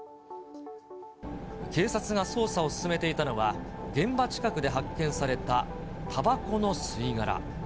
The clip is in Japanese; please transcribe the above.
警察が捜査を進めていたのは、現場近くで発見されたたばこの吸い殻。